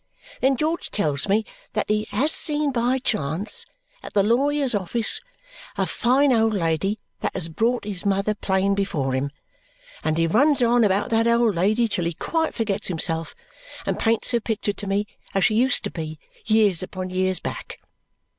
Then George tells me that he has seen by chance, at the lawyer's office, a fine old lady that has brought his mother plain before him, and he runs on about that old lady till he quite forgets himself and paints her picture to me as she used to be, years upon years back.